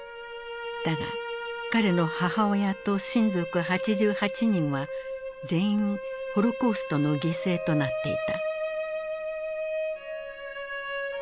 だが彼の母親と親族８８人は全員ホロコーストの犠牲となっていた。